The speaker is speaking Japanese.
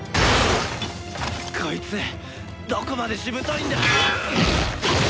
こいつどこまでしぶといんだ！？